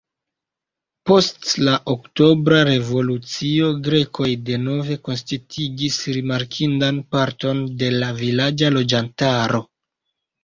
Post la Oktobra revolucio grekoj denove konsistigis rimarkindan parton de la vilaĝa loĝantaro.